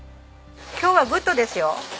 今日はグッドですよ。